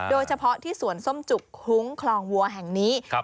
โดยเฉพาะที่สวนส้มจุกคุ้งคลองวัวแห่งนี้